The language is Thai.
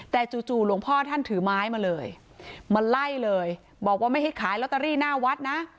แต่จู่หลวงพ่อท่านถือไม้มาเลยมาไล่เลยบอกว่าไม่ให้ขายลอตเตอรี่หน้าวัดนะ